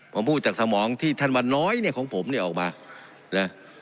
ผมพูดจากสมองที่ท่านวันน้อยเนี่ยของผมเนี่ยออกมานะ